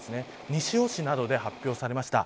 西尾市などで発表されました。